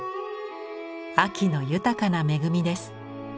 秋の豊かな恵みです。